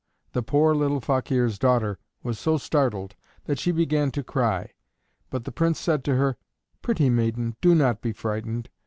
The poor little Fakeer's daughter was so startled that she began to cry. But the Prince said to her: "Pretty maiden, do not be frightened.